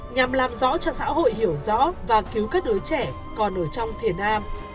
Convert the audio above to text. nhằm làm rõ cho xã hội hiểu rõ và cứu các đứa trẻ còn ở trong thiền nam